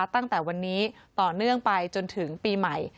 ตั้งแต่วันนี้ต่อเนื่องไปจนถึงปีใหม่